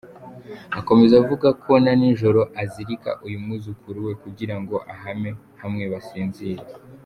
Akomeza avuga ko na nijoro azirika uyu mwuzukuru we kugira ngo ahame hamwe basinzire.